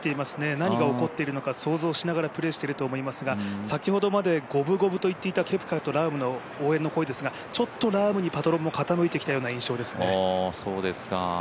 何が残っているのか想像しながらプレーしていると思いますが先ほどまで五分五分といっていたケプカとラームの応援の声ですがちょっとラームにパトロンも傾いてきたような印象ですね。